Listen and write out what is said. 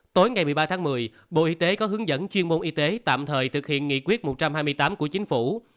tối ngày một mươi ba tháng một mươi bộ y tế có hướng dẫn chuyên môn y tế tạm thời thực hiện nghị quyết một trăm hai mươi tám của chính phủ